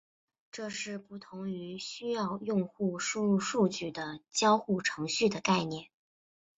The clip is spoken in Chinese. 这是不同于需要用户输入数据的交互程序的概念。